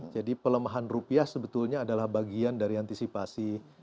pelemahan rupiah sebetulnya adalah bagian dari antisipasi